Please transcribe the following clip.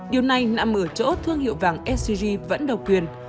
điều này nằm ở chỗ thương hiệu vàng sgg vẫn độc quyền